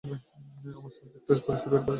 আমরা সাবজেক্টটার পরিচয় বের করার চেষ্টা করছি।